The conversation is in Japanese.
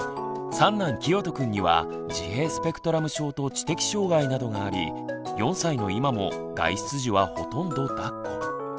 三男きよとくんには自閉スペクトラム症と知的障害などがあり４歳の今も外出時はほとんどだっこ。